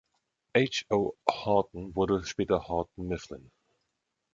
H. O. Houghton wurde später Houghton Mifflin.